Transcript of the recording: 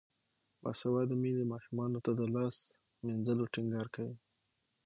باسواده میندې ماشومانو ته د لاس مینځلو ټینګار کوي.